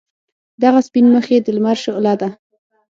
دغه سپین مخ یې د لمر شعله ده.